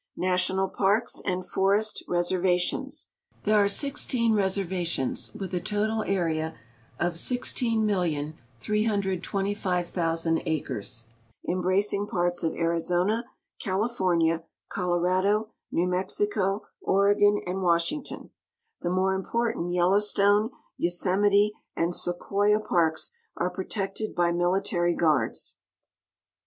yationul Parka and Forest Resermtions. — There are si.xteen reservations, with a total area of 16,325,000 acres, embracing parts of Arizona, Cali fornia, Colorado, New Mexico, Oregon, and Washington. The more im portant Yellowstone, A^osemite, and Sequoia parks are protected b\' mili tary guards.